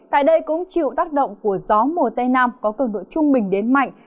tại đây cũng chịu tác động của gió mùa tây nam có cửa nụa trung bình đến mạnh